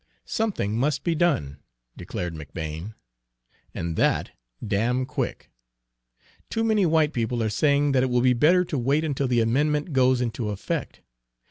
"Something must be done," declared McBane, "and that damn quick. Too many white people are saying that it will be better to wait until the amendment goes into effect.